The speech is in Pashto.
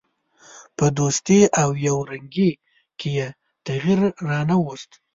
په دوستي او یو رنګي کې یې تغییر را نه ووست.